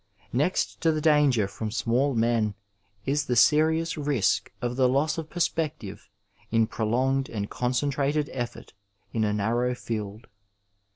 Next to the danger from small men is the serious risk of the loss of perspective in prolonged and concentrated effort in a narrow field.